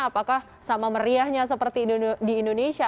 apakah sama meriahnya seperti di indonesia